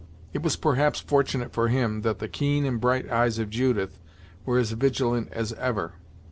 It was perhaps fortunate for him that the keen and bright eyes of Judith were as vigilant as ever.